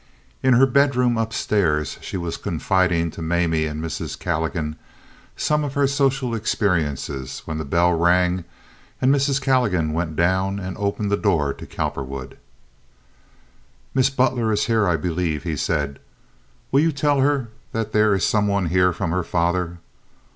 In her bedroom upstairs she was confiding to Mamie and Mrs. Calligan some of her social experiences when the bell rang, and Mrs. Calligan went down and opened the door to Cowperwood. "Miss Butler is here, I believe," he said. "Will you tell her that there is some one here from her father?"